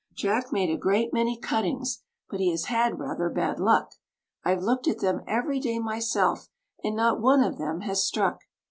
Jack made a great many cuttings, but he has had rather bad luck, I've looked at them every day myself, and not one of them has struck.